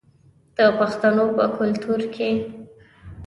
د پښتنو په کلتور کې د جهیز ورکول دود دی.